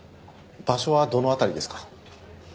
場所はどの辺りですか？